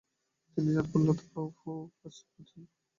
তিনি তার খুল্লতাত স্গাম-পো-পা-ব্সোদ-নাম্স-রিন-ছেন তাকে শিক্ষাদান করেন।